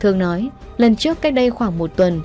thương nói lần trước cách đây khoảng một tuần